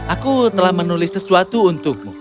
aku telah menulis sesuatu untukmu